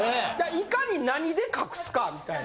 いかに何で隠すかみたいな。